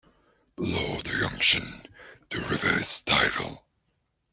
Below the junction, the river is tidal.